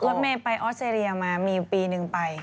รถแม่ไปออสเตรียมีปีนึงไป